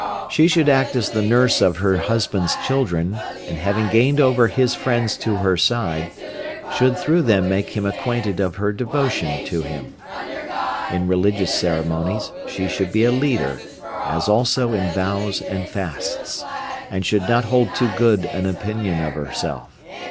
She should act as the nurse of her husband's children, and having gained over his friends to her side, should through them make him acquainted of her devotion to him. In religious ceremonies she should be a leader, as also in vows and fasts, and should not hold too good an opinion of herself.